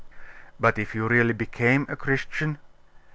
'But if you really became a Christian?